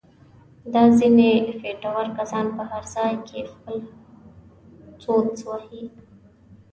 دا ځنیې خېټور کسان په هر ځای کې خپل څوس وهي.